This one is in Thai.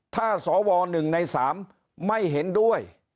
ถ้าสว๑ใน๓ไม่เห็นด้วย